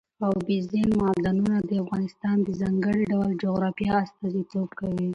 اوبزین معدنونه د افغانستان د ځانګړي ډول جغرافیه استازیتوب کوي.